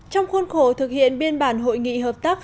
trong khuôn khổ thực hiện biên bản hội nghị hợp tác